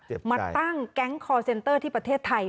มาตั้งแก๊งคอร์เซ็นเตอร์ที่ประเทศไทย